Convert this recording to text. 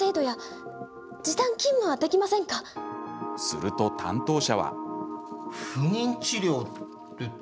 すると、担当者は。